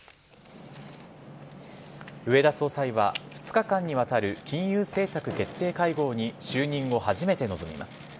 植田総裁は２日間にわたる金融政策決定会合に就任後、初めて臨みます。